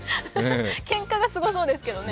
けんかはすごそうですけどね。